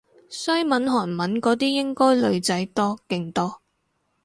西文韓文嗰啲應該女仔多勁多